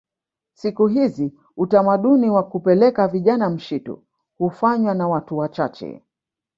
Siku hizi utamaduni wa kupeleka vijana mshitu hufanywa na watu wachache